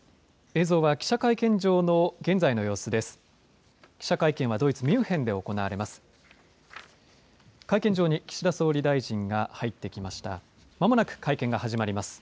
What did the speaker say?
映像は記者会見場の現在の様子です。